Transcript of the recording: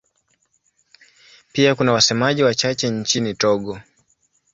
Pia kuna wasemaji wachache nchini Togo.